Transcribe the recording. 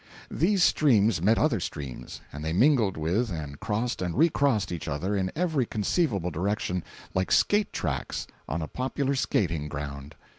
These streams met other streams, and they mingled with and crossed and recrossed each other in every conceivable direction, like skate tracks on a popular skating ground.